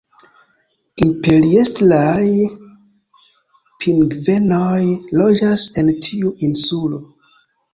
Imperiestraj pingvenoj loĝas en tiu insulo.